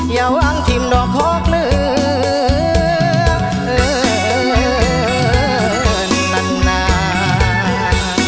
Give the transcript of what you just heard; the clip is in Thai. อย่าวางทีมดอกฮอกเหลือเอ่อนานนาน